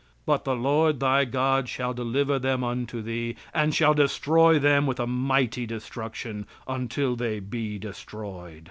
"But the Lord thy God shall deliver them unto thee, and shall destroy them with a mighty destruction, until they be destroyed."